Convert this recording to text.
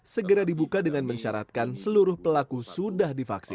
segera dibuka dengan mensyaratkan seluruh pelaku sudah divaksin